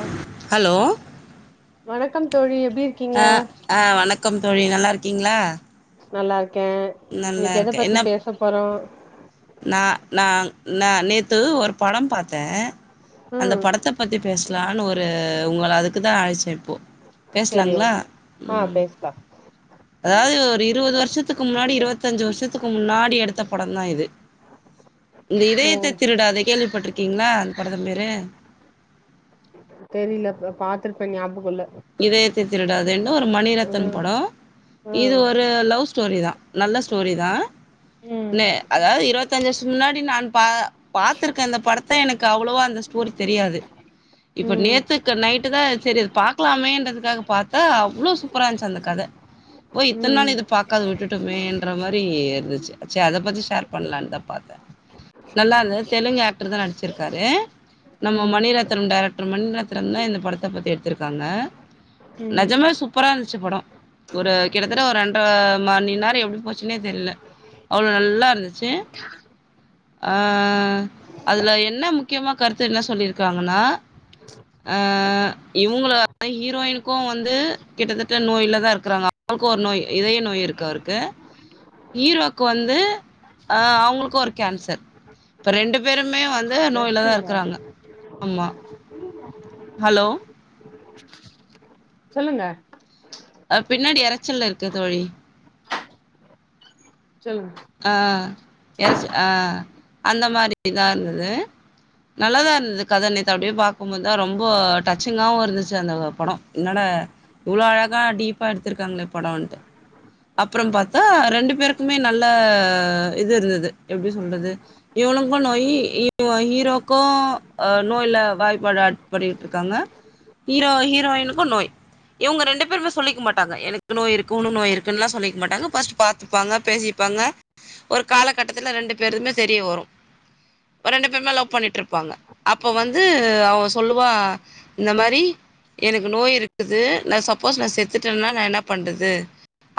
அ hello வணக்கம் தோழி எப்டி இருக்கீங்க ஆஹ் ஆஹ் வணக்கம் தோழி நல்லா இருக்கீங்களா நல்லா கே இன்னைக்கு எதை பத்தி பேச போறோ நா நான் நான் நேத்து ஒரு படம் பாத்தே அந்த ம் படத்தை பத்தி பேசலான்னு ஒரு உங்கள அதுக் துக்கு தா அழைச்ச போ செரி பேசலாங்களா ஓகே ஆ உம் பேசலா அதாவது ஒரு இருபது வருஷ்ஷதுக்கு முன்னாடி இருவத்தஞ்சு வருஷத்துக்கு முன்னாடி எடுத்த படம் தா இது இந்த இதயத்தை ம் திருடாதே கேள்விப்பட்டிருக்கீங்களா அது பட மிற தெரியல ப்ப பாத்துருப்பே ஞாபக இல்ல இதயத்தை திருடாததுன்ன இ ஒரு மணிரத்தன் ம் படம் இது ம் ஒரு லவ் ஸ்டோரி தா நல்ல ஸ்டோரி தா ம் ந அதாவது இருவத்தஞ்சு வர்ஷ முன்னாடி நான் பா பாத்துருக்க அ இந்த படத்தை எனக்கு அவ்ளோவா அந்த போரி தெரியாது இப்ப ம் நேத்துக்கு நைட் தா செரிது பா பக்கலாமேன்றதுக்காக பார்த்தா அவ்வளோ சூப்பர இருந்துச்சு அந்த கதை ஓ இத்தன நாள் ம் இத பாக்காத விட்டுட்டமேங் கிற மாரி இருந்துச்சு சேர் அத பத்தி ஷேர் பண்ணலான்தா பாத்த நல்லா இருந்துது தெலுங்கு ஆக்டர்தா நடிச்சிருக்காரு நம்ம ம் மணிரத்னம் டைரெக்ட் டர் மணிரத்னம்தா இந்த படத்த பத்தி எடுத்திரு க்காங்க ம் நெஜமா சூப்பரா இருந்து ச்சு பட ஒரு கிட்டத்தட்ட ஒரு ரெண்ட்ர மணி நேர எப்டி போச்சுன்னே தெரில அவ்ள நல்லா இருந்துச்சு ஆ அதுல என்ன முக்கியமா கருத்து என்ன சொல்லிருக்காங்கனா அ இவுங்கள ஹீரோயினுக்கு வந்து கிட்டத்தட்ட நோயிலதா இருக்கிறாங்க அவங்களுக்கு ஒரு நோய் இதய நோய் இருக்கு அவருக்கு ஹீரோக்கு வந்து அவங்களுக்கு ஒரு கேன்சர் இப்ப ரெண்டு பேருமே வந் பிரஷ்ஷுங்க ஹலோ சொல்லுங்க அ பின்னாடி எரைச்சல்ல இருக்கு தோழி சொல்லுங்க ஆ எரச்ச ஆ அந்த மாரிதா இருந்துது நல்லாதா இருந்துது கத நேத்து அப்படியே பாக்கும்போதுதா ரொம்ப டச்சிங்காவு இருந்துச்சு அந்த பட என்னடா இவ்ள அழகா டீப்பா எடுத்திருக்காங்ளே படன்ட்டு அப்புறம் பாத்தா ரெண்டு பேருக்குமே நல் ல இது இருந்திது எப்டி சொல்றது இவனுக்கு நோயி ஹீரோக்கு நோய்ல வாய்ப்பாடு அடிட்டு இருக்காங்க ஹீரோ ஹீரோயினுக்கு நோய் இவங்க ரெண்டு பேரும சொல்லிக்க மாட்டாங்க எனக்கு நோய் இருக்கு ஒன்னு நோய் இருக்குன்னு சொல்லிக்க மாட்டாங்கஸ் பா்த்தப்பாங்க பேசி ஒரு காலகட்டத்துல ரெண்டு பேருதுமே தெரிய வரும் ரெண்டு பேருமே லவ் பண்ணிட்டு இருப்பாங்க அப்ப வந்து அவன் சொல்லுவா இந்த மாதிரி எனக்கு நோய் இருக்குது நா சப்போஸ் நா செத்துட்டேன்னா நா என்ன பண்றது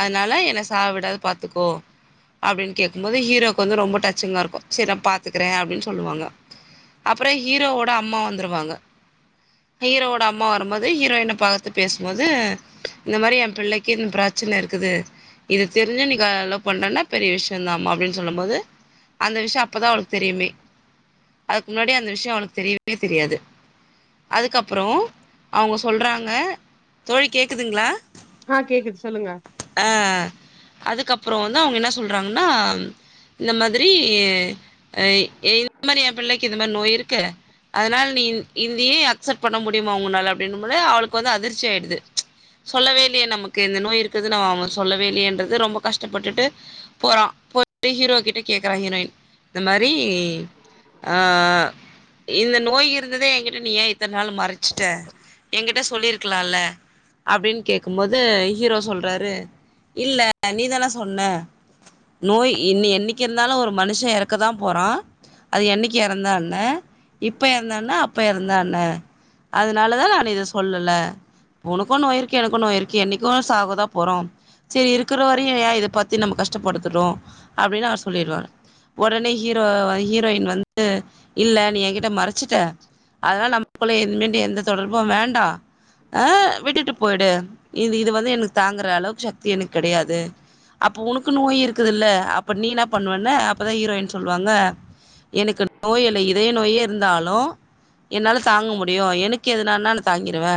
அதனால என்ன சாவ்விடாது பாத்துக்கோ அப்டின்னு கேக்கும்போது ஹீரோவுக் வந்து ரொம்ப டச்சிங்கா இருக்கு சரி நா பாத்துக்கற அப்டின் சொல்லுவாங்க அப்றோ ஹீரோவோட அம்மா வந்துருவாங்க ஹீரோவோட அம்மா வரும்போது ஹீரோயின பாத்து பேசுபோது இந்த மாரி எ பிள்ளைக்கு இந்த பிரச்சன இருக்குது இத தெரிஞ்சு நீக்க லவ் பண்றேன்னா பெரிய விஷயந்தா அப்டின்னு சொல்லும் போது அந்த விஷய அப்பதா அவளுக்கு தெரியுமே அதுக்கு முன்னாடி அந்த விஷய அவளுக்கு தெரியவே தெரியாது அதுக்கப்றோ அவங்க சொல்றாங்க தோழி கேக்குதுங்ளா ஆ கேக்குது சொல்லுங்க அ அ அதுக்கப் ப்றோ வந்து அவங்க என்ன சொல்கறாங்கன்னா இந்த மாதிரி இந்த மாதிரி எ பிள்ளைக் இத மேரி நோய் இருக்கு அதனால் நீ இந்தியே அக்சப் பண்ண முடியுமா உங்கனால அப்படின்னுபோது அவளுக்கு வந்து அதிர்ச்சி ஆகிடுது சொல்லவே இல்லியே நமக்கு இந்த நோய் இருக்குது நம்ம அவங்க சொல்லவே இல்யேன்றது ரொம்ப கஷ்டப்பட்டுட்டு போறா போயட்டு ஹீரோ கிட்ட கேக்குறா ஹீரோயின் இந்த மாரி அ இந்த நோய் இருந்தத என்கிட்ட நீ ஏன இத்தன் நாள் மறச்ச ஷ்ட ஏங்கிட்ட சொல்லிருக் க்லால அப்டின் கேக்குபோது ஹீரோ சொல்றாரு இல்ல நீதான சொன்ன நோய் இன்னி என்னக்கி இருந்தாலு ஒரு மனுஷ எறக்க தா போறோா அது என்னக்கி எறந்தாண்ண இப்ப எறந்தான்ன அப்ப எறந்தாண்ண அதனால தா நான் இத சொல்லல ஒனக்கு நேயிருக்கு எனக்கு நோயிருக்கு என்னைக்கோநா சாகதா போறோ செரி இருக் குற வரயு ஏ இத பத்தி நம்ம கஷ்ட்டபடுத்துறோ அப்டினு அவுர் சொல்லிருவா ஒடனே ஹீரோ ஹீரோயின் வந்து இல்ல நீ ஏங்கிட்ட மறச்சட்ட அதனா நமக்குள்ள என்மேன்டு எந்த தொடர்பு வேண்டா அ விட்டுட்டு போயி்டு இது இது வந்து எனுக் தாங்குற அளவுக் சக்தி எனக் கடையாது அப்ப உனுக்கு நோய் இருக்குது இல்ல அப்ப நீ பண்ணுவ அப்பதா ஹீரோயின் சொல்லுவாங்க எனக்கு நோய இல்ல இதய நோயே இருந்தாலு என்னால தாங்க முடியு எனக் கெதுனானா நா தாங்கிருவ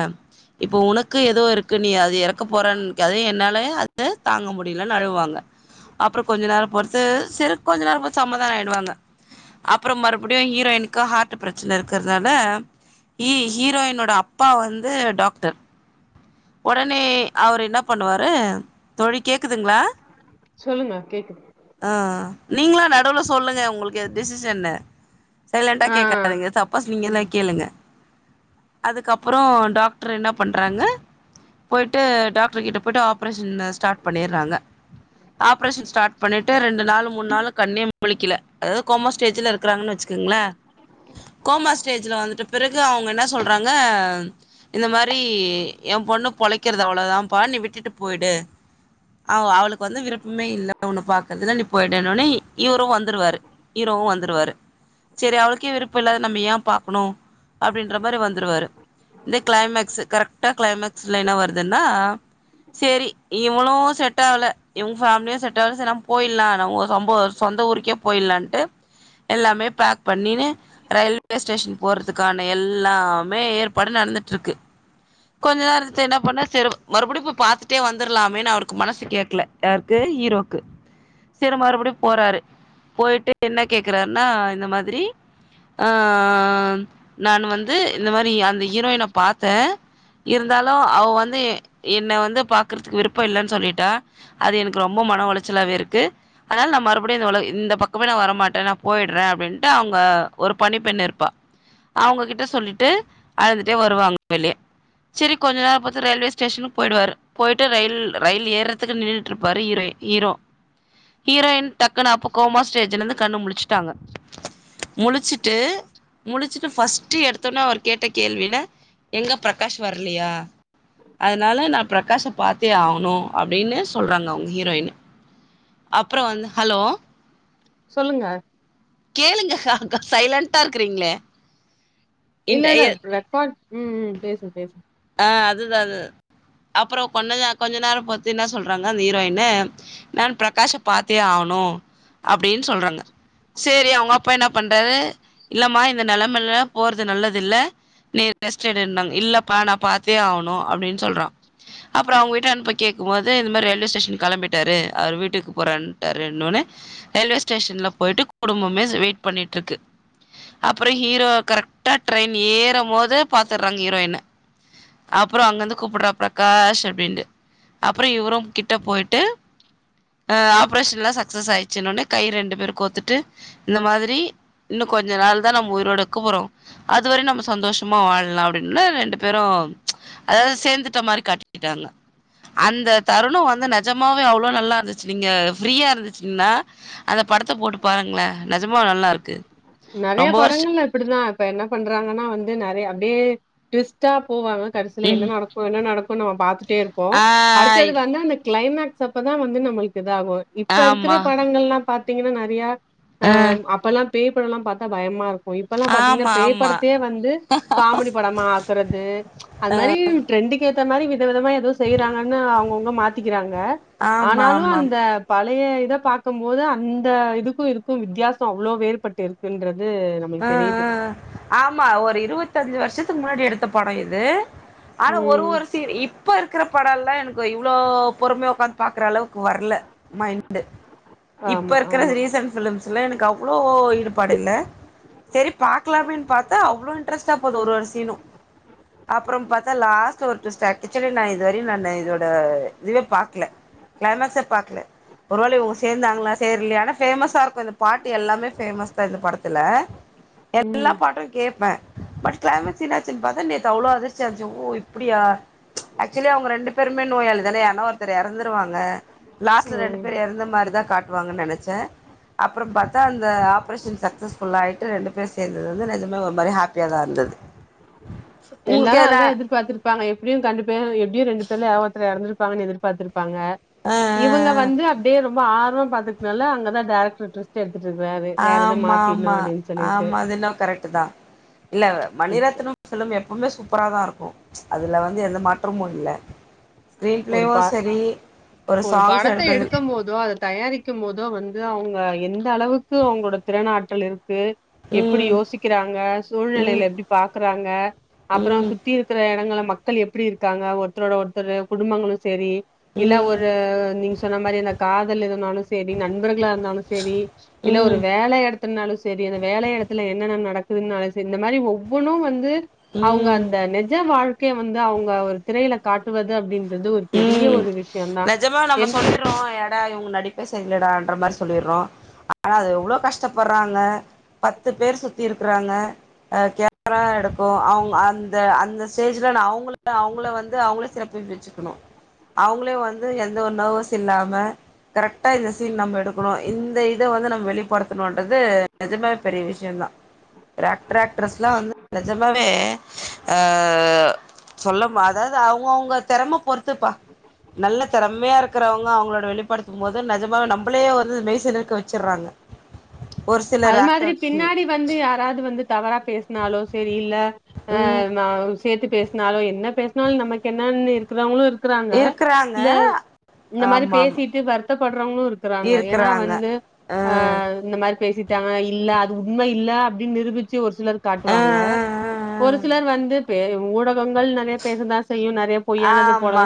இப்ப உனக்கு எதோ இருக்கு நீ அதுஎறக்க போற அதே என்னால தாங்க முடியில்ன்னு அழுவாங்க அப்ற கொஞ்ச நேரம் பொறுத்து ச கொஞ்ச நேரபோ சமாதான ஆயிடுவாங்க அப்ற மறுபடியு ஹீரோயினக்கு ஹார்ட்ட் பிரச்சனை இருக்கிறதுனால ஹி ஹீரோயினோட அப்பா வந்து டாக்டர் ஒடனே அவ்ரு இன்னா பண்ணுவாரு தோழி கேக்குதுங்களா சொல்லுங்க கேக்குது ஆ ஆ நீங்களாம் நடுவுல சொல்லுங்க உங்களுக்கு அ டிசிஷன்னு சைலண்டா ஆ கேக்காதீங்க தப்பாஸ் நீங்களா ம் கேளுங்க அதுக்கப்புறோ டாக்ட்ரு என்ன பண்றாங்க போயிட்டு டாக்ட்ரு கிட்ட போயிட்டு ஆப்ரேஷன் ஸ்டார்ட் பண்ணிட்றாங்க ஆப்ரேஷன் ஸ்டார்ட் பண்ணிட்டு ரெண்டு நாளு மூணு நாளு கண்ணே முழிக்கில அதாவது கோமா ஸ்டேஜ்ல இருக்குறாங்கன்னு வச்சுக்குங்களே கோமா ஸ்டேஜ்ல வந்துட்டு பிறகு அவங்க என்ன சொல்றாங்க இந்த மாரி என் பொண்ணு பொழைக்கிறது அவ்ளோதான்ப்பா நீ விட்டுட்டு போயிடு அவ அவளுக்கு வந்து விருப்பமே இல்ல உன்ன பாக்குறதுல நீ போயிடேன்னொன்னே இவரும் வந்துருவாரு ஹிரோவு வந்துருவாரு சேரி அவளுக்கே விருப்பம் இல்லாத நம்ம ஏன் பாக்கணும் அப்டின்ற மாரி வந்துருவாரு இந்த கிளைமேக்ஸு கரெக்ட் தா கிளைமேக்ஸுல என்ன வருதுன்னா சேரி இவளும் செட் ஆவல இவங்க ஃபேமிலியும் செட் ஆவல சரி நம்ம போயிட்லா நம்போ சொம்போ சொந்த ஊருக்கே போயிட்லான்ட்டு எல்லாமே பேக் பண்ணின்னு ரயில்வே ஸ்டேஷன் போறதுக்கான எல்லாமே ஏற்பாடு நடந்துட்ருக்கு கொஞ்ச நேரத்தை என்ன பண்ண ச மறுபடியும் போய் பார்த்துட்டே வந்துரலாமேன்னு அவருக்கு மனசு கேட்கல யாருக்கு ஹீரோக்கு சிறு மறுபடிம் போறாரு போயிட்டு என்ன கேக்குறாருன்னா இந்த மாதிரி ஆஹ் நான் வந்து இந்த மாதிரி அந்த ஹீரோயின பாார்த்தேன் இருந்தாலும் அவ வந்து என்ன வந்து பாக்கறதுக்கு விருப்பம் இல்லைன்னு சொல்லிட்டா அது எனக்கு ரொம்ப மன உளைச்சலாவே இருக்கு அதனால நான் மறுபடியும் இந்த உ இந்த பக்கமே நான் வரமாட்டேன் நான் போயிடுறேன் அப்படின்ட்டு அவங்க ஒரு பனி பெண்ணு இருப்பா அவங்ககிட்ட சொல்லிட்டு அழுந்துட்டே வருவாங்க வெளியே சரி கொஞ்ச நேரம் பார்த்து ரயில்வே ஸ்டேஷனுக்கு போயிடுவாரு போயிட்டு ரயில் ரயில் ஏறதுக்கு நின்றுட்டு இருப்பார் ஹீரோயின் ஹீரோ ஹீரோயின் டக்குன்னு அப்போ கோமா ஸ்டேஜல இருந்து கண்ணு முழிச்சுட்டாங்க முழிச்சுட்டு முழிச்சுட்டு ஃபஸ்ட்ட் எடுத்தோனே அவர் கேட்ட கேள்வியில எங்க பிரகாஷ் வரலயா அதனால நான் பிரகாஷ பார்த்தே ஆகனும் அப்டின்னு சொல்றாங்க அவுங்க ஹீரோயின் அப்புறம் வந்து ஹலோ சொல்லுங்க கேளுங்க அக்கா சைலன்டா இருக்கிறீங்களே இன்ட இல்ல இல்ல ரெக்கார்ட் உம் உம் பேசு பேசு அதுதான் அது அப்புறம் கொஞ் கொஞ்ச நேரம் பத்து என்ன சொல்றாங்க அந்த ஹீரோயின் நான் பிரகாஷ பாத்தே ஆகணும் அப்டின்னு சொல்றாங்க சரி அவங்க அப்பா என்ன பண்றாரு இல்லம்மா இந்த நிலைமல போறது நல்லது இல்ல நீ ரெஸ்ட் எடு இல்ல அப்பா நான் பாத்தே ஆவுணும் அப்டின்னு சொல்றா அப்புறம் அவுங்க வீட்டு அனுப்ப கேகும் போது இந்த மாதிரி ரயில்வே ஸ்டேஷன் கிளம்பிட்டாரு அவரு வீட்டுக்கு போறனுட்டாரு என்னனொன்னு ரயில்வே ஸ்டேஷன்ல போயிட்டு குடும்பமே வெயிட் பண்ணிட்டு இருக்கு அப்புறம் ஹீரோ கரெக்டா ட்ரெயின் ஏறும் போது பாத்துடுறாங்க ஹீரோயின் அப்புறம் அங்கிருந்து கூப்பிடுறா பிரகாஷ் அப்படின்ட்டு அப்புறம் இவரும் கிட்ட போயிட்டு அஹ் ஆப்ரேஷன் எல்லாம் சக்சஸ் ஆயிடுச்சுன்ன உனே கை ரெண்டு பேரும் கோத்துட்டு இந்த மாதிரி இன்னும் கொஞ்ச நாள் தான் நம்ம உயிரோடு கூ போறோம் அதுவரை நம்ம சந்தோஷமா வாழலாம் அப்படின்னா ரெண்டு பே பேறும் அதாவது சேர்ந்துட்ட மாரி காட்டிக்கிட்டாங்க அந்த தருணம் வந்து நஜமாவே அவ்ளவு நல்லா இருந்துச்சு நீங்க ஃப்ரீயா இருந்துச்சுங்கன்னா அந்த படத்தை போட்டு பாருங்களன் நஜமாவ நல்லா இருக்கு நிறைய ரொம்ப வருஷ படங்கள்ல இப்படிதான் இப்ப என்ன பண்றாங்கன்னா வந்து நிறைய அப்படியே ட்விஸ்ட்டா போவாங்க கடிசில என்ன ம் நடக்கும் என்ன நட நம்ம பாத்துட்டு டே இருப்போம் ஆ அடுத்தது வந்து அந்த கிளைமேக்ஸ் அப்பதான் வந்து நம்மளுக்கு த ஆகும் இப்ப இருக்கிற ஆமா படங்கள்ல்லாம் பார்த்தீங்கன்னா நறைய ஆ அஹ் அப்பெல்லாம் இப்பெல்லாம் பார்த்த பயமா இருக்கும் இப்பல்லாம் பாத்தீங்கன்னா ஆமா பேய் ஆமா படத்தே வந்து காமெடி படமா ஆக்குறது அது மாதிரி ட்ரெண்டுக்கு ஏ இந்த மாரி வித விதமா எதுவும் செய்யறாங்கன்னு அவுங்கவுங்க மாத்திக்கிறாங்க ப ஆமா ஆனாலும் ஆமா அந்த பல நழைய இதை பார்க்கும் போது அந்த இதுக்கும் இருக்கும் வித்தியாசம் அவ்வளோ வேறுபட்டு டு இருக்கின்ற அ அ ஆமா ஒரு இருபத்தஞ்சு வருஷத்துக்கு முன்னாடி எடுத்த படம் எது து ஆனா ஒரு ம் ஒரு சீ இப்போ இருக்கிற படம் எல்லாம் எனக்கு இவ்ளோ பொறுமைைய உக்காந்து பாக்குற அளவுக்கு வரல மைண்டு இப்ப ஆமா இருக்கற ஆமா ரீசன்ட் ப்லிம்ஸ் ல்ல எனக்கு அவ்ளோ ஈடுபாடு இல்ல சரி பாக்கலாமேனு பாத்தா அவ்ளோ இன்ட்ரெஸ்ட்டா போது ஒரு ஒரு சீனும் அப்புறம் பார்த்தா லாஸ்ட் ஒரு டுவிஸ்டு ஆட்சுலி நான் இதுவரையும் நான் இதோட இதுவே பாக்கல கிளைமேக்ஸ் பாக்கல ஒருவேளை இவுங்க சேர்ந்தாங்களா சேரி இல்லையா ஆனா ஃபேமஸா இருக்கும் இந்த பாட்டு எல்லாமே ஃபேமஸ் தான் இந்த படத்துல எல்லா ம் பாட்டும் கேட்பேன் பட் கிளமசீனாச்சன் பார்த்தா ந அவ்ளோ அதிர்ச்சியாருந்த்ச்சு ஓ இப்படியா ஆக்சுவலி அவங்க ரெண்டு பேருமே நோயாளி தானே ன்னா ஒருத்தர் எறந்துருவாங்க லாஸ்ட்ல ரெண்டு ம் பேரும் இறந்த மாரிதான் காட்ட ட்வாங்க நெனைச்சே அப்புறம் பாத்தா அந்த ஆப்ரேஷன் சக்சஸ்ஃபுல் ஆயிட் ட்டு ரெண்டு பேர் சேந்தது வந்து நிஜமா ஒரு மாரி ஹாப்பியா தா இருந்தது உங்களுக்கு எல்லாரும் எதுனா அதுதா எதிர்பாத்துருப்பாங்க எப்புடியும் கண்டுப்ப எப்புடியும் ரெண்டு சொல்லி ஏமாத்துற எறந்திருப்பாங்கன் எதிர்பாத்துருப் ப்பாங்க ஆ ஆ இவங்க வந்து அப்டே ரொம்ப ஆ [unintelligible] பாத்துக்னால அங்க தா [unintelligible] ஆமா ஆமா சொல்லிட்டு ஆமா அது என்னவோ கரெக்ட்டு தா இல்ல மணிரத்தனம் ஃபிலிம் எப்பமே சூப் ப்பரா தா இருக்கும் அதுல வந்து எந்த மாற்றமு இல்ல ஸ்கிரீன் ஒரு பிளேவு ப சரி ஒரு சாங்ஸ் படத்த எடுக்கறது எடுக்கும் போதோ அத தயாரிக்கம் போதோ வந் து அவ்ங்க எந்த அளவுக்கு அவங்களோட திறநாற்றல் இரு க்கு எப்டி ம் யோசிக்கிறாங்க ம் சூழ்நிலையல எப்டி பாக்குறாங்க அப்பறொ ம் சுத்தி இருக்குற எடங்கள மக் கள் எப்டி இருக்காங்க ஒர்த்தரோட ஒர்த்தரு குடும்பங்களு சேரி இல்ல ம் ஒரு நீங்க சொன்ன மாரி அந்த காதல் இருந்தாலு சேரி நண்பர்களா இருந்தாலு சேரி இல்ல ஒரு ம் வேல எடத்துன்னாலு சேரி அந்த வேல எடத்துல என்னென்ன நடக் [unintelligible] சரி இந்த மாரி ஒவ்வொன்னு வந்து அவ்ங்க ம் அந்த நெஜ வாழ் கைய வந்து அவ்ங்க ஒரு திரையில காட்டுவ து அப்டின் ம் நஜமா நம்ம என் சொல்லிர்றோ என்னடா இவங்க நடிப்ப செரில்லடா ன்ற மாரி சொல்லிர்றோ ஆனா அது எவ்ளோ கஷ்டப்பர்றாங்க பத்து பேர் சுத்தி இரு ர்றாங்க கேரா எடுக்கு அவ்ங்க அந்த அந்த ஸ்டேஜ்ல நா அவ்ங்க அவங்கள வந் து அவ்ங்களே சிறப்பிப்பிச்சுக்கணு அவுங்களே வந்து எந்த ஒரு நர்வஸ் இல்லாம கரெக்டா இந்த சீன் நம்ம எடுக்கணு இந்த இத வந்து நம்ம வெளிப்படுத்தணுன்றது நஜமே பெரிய விஷயந்தா ஆக்ட்ர் ஆக்ட்ரஸ்ல்லா வந்து நெஜமாவே ஆ சொல்லமா அதாவ்து அவுங்கவுங்க தெறம பொறுத் துப்பா நல்ல தெறமையா இருக் கறவங்க அவ்ங்களோட வெளிப்படுத்தும் போது நெஜமாவே நம்பளே வந்து மெய் சிலிர்க்க வச்சுர்றாங்க அது மாதிரி பின்னாடி வந்து யாராவது வந்து தவறா பேஸ்னாலோ சேரி இல்ல ஆ ம் ந சேத்து பேஸ்னாலோ என்ன பேஸ்னாலு நமக்கு என்னானு இருக்குறவங்களு இருக் குறாங்க இருக்கறாங்க இல்ல இந்த மாரி ஆமா ஆமா பேசிட்டு வருத்தப்பட்றவங்களு இருக்குறாங்க ஏன்னா இருக்கறாங்க வந்து ஆ இந்த மாரி பேசி த இல்ல அது உண்ம இல்ல அப்டின்னு நிரூபிச்சி ஒரு சிலர் ஆ ஆ காட்டுவாங்க ஆ ஒரு ஆ சிலர் வந்து பே ஊடகங்கள் நறைய பேசதாஸ் ஆமா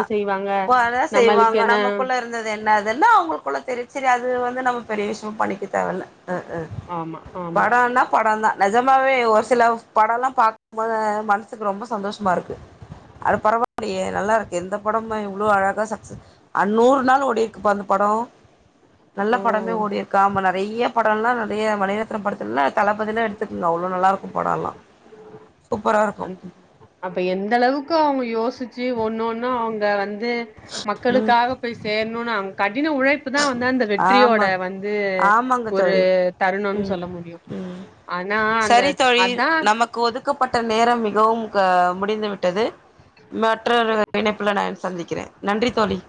போடதா நம்மளுக்கு செய்வாங்க என்ன நமக்குள்ள இருந்தது என்ன ஏதுன்னா அவுங்களுக்குள்ள தெரியு சரி அது வந்து நம்ம பெரிய விஷயமா பண்ணிக்க தேவல்ல அ அ ஆமா ஆமா படொன்னா படொந்தா நெஜமாவே ஒரு சில படொல்லா பாக்கும்போது மனசுக்கு ரொம்ப சந்தோஷமா இருக்கு அது பரவா லையே நல்லா இருக்கே இந்த படம் இவ்ளோ அழகா சக்சஸ் அ நூற் நாள் ஓடிருக்குப்பா அந்த படொ நல்ல படமே ம் ஓடியிருக்கு ஆமா நைய ப டொல்லா நறைய மணிரத்னொ படத்லலா தள பதிலா எடுத்துக்குங்க அவ்ளோ நல்லா இருக்கு படொல்லா அந் அப்ப எந்த அளவுக்கு அவுங்க யோசிச்சி ஒன்னு ஒன்னு அவுங்க வந் து ம் மக்களுக்காக போய் சேந் ணுனு கடின உழைப் புதா வந்து அந்த வெற்றியோட ஆமா வந்து ஆமாங்க ஒரு தோழி தருணோனு ம் சொல்ல முடியு ம் ஆனா அந்த சரி அதா கவும் க முடிந்து விட்டது மற்றொரு இணைப்புல நா சந்திக்கிற நன்றி தோழி